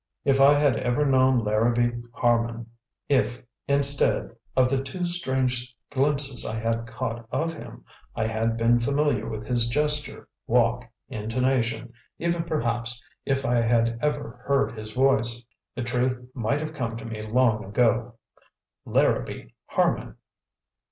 If I had ever known Larrabee Harman, if, instead of the two strange glimpses I had caught of him, I had been familiar with his gesture, walk, intonation even, perhaps, if I had ever heard his voice the truth might have come to me long ago. Larrabee Harman!